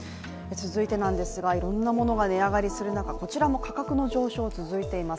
続いてなんですが、いろんなものが値上がりする中、こちらも価格の上昇、続いています。